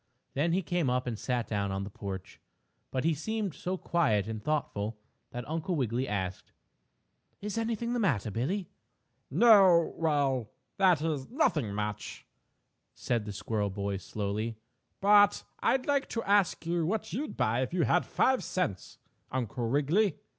Then he came up and sat down on the porch, but he seemed so quiet and thoughtful that Uncle Wiggily asked: "Is anything the matter, Billie?" "No well that is, nothing much," said the squirrel boy slowly, "but I'd like to ask you what you'd buy if you had five cents, Uncle Wiggily."